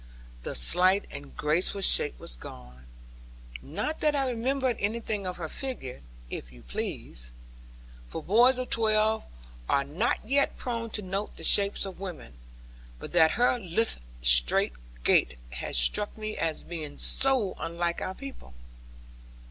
The slight and graceful shape was gone; not that I remembered anything of her figure, if you please; for boys of twelve are not yet prone to note the shapes of women; but that her lithe straight gait had struck me as being so unlike our people.